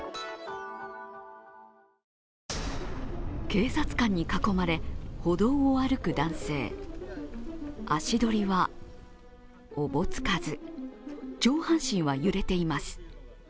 警察官に囲まれ、歩道を歩く男性足取りはおぼつかず上半身は揺れています。